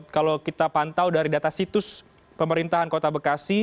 kalau kita pantau dari data situs pemerintahan kota bekasi